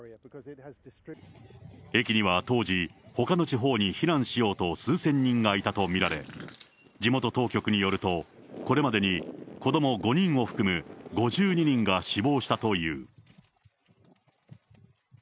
駅には当時、ほかの地方に避難しようと、数千人がいたと見られ、地元当局によるとこれまでに子ども５人を含む５２人が死亡したという。